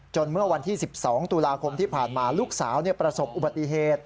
เมื่อวันที่๑๒ตุลาคมที่ผ่านมาลูกสาวประสบอุบัติเหตุ